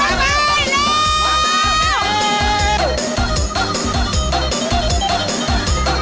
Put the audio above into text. เวลาดีเล่นหน่อยเล่นหน่อย